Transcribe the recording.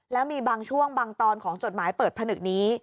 แล้วมีบางช่วงบางตอนของจดหมายเปิดผนึกนี้